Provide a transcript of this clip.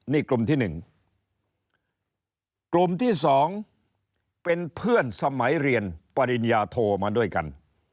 นี่กลุ่มที่๑กลุ่มที่๒เป็นเพื่อนสมัยเรียนปริญญาโทมาด้วยกัน